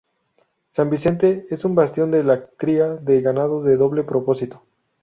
San Vicente es un bastión de la cría de ganado de doble propósito.